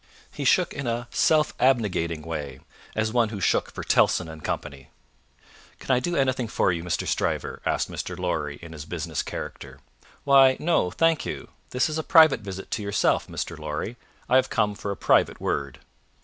He shook in a self abnegating way, as one who shook for Tellson and Co. "Can I do anything for you, Mr. Stryver?" asked Mr. Lorry, in his business character. "Why, no, thank you; this is a private visit to yourself, Mr. Lorry; I have come for a private word."